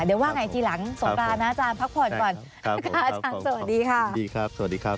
เดี๋ยวว่าไงทีหลังสงกรานนะอาจารย์พักผ่อนก่อนนะคะอาจารย์สวัสดีค่ะสวัสดีครับสวัสดีครับ